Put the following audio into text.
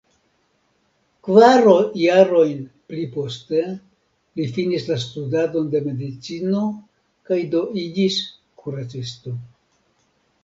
Kvar jarojn pli poste, li finis la studadon de medicino kaj do iĝis kuracisto.